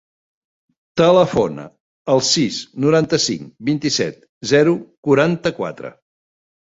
Telefona al sis, noranta-cinc, vint-i-set, zero, quaranta-quatre.